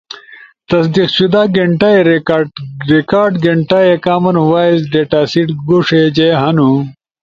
تصدیق شدہ گینٹئی، ریکارڈ گھنیٹا، کامن وائس ڈیتا سیٹ گوݜی جے ہنو؟